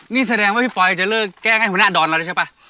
นี่แสดงว่าพี่ฟอยจะเลิกแจ้งให้หัวหน้าดอนมาแล้วใช่ป่ะ